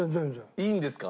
いいんですか？